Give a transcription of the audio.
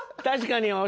確かに。